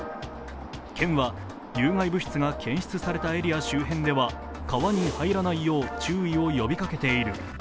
県は、有害物質が検出されたエリア周辺では川に入らないよう注意を呼びかけている。